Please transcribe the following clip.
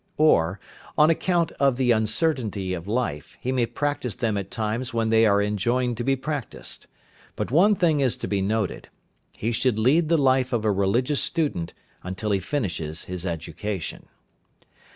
Or, on account of the uncertainty of life, he may practise them at times when they are enjoined to be practised. But one thing is to be noted, he should lead the life of a religious student until he finishes his education.